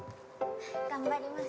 ・頑張ります。